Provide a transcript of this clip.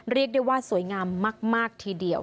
เรียกได้ว่าสวยงามมากทีเดียว